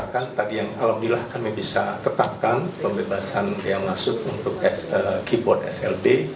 kami bisa tetapkan pembebasan bea masuk untuk keyboard slb